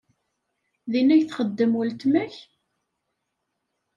Din ay txeddem weltma-k?